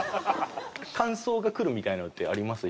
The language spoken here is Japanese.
感想がくるみたいなのってあります？